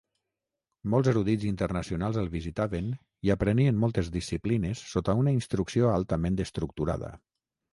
Molts erudits internacionals el visitaven i aprenien moltes disciplines sota una instrucció altament estructurada.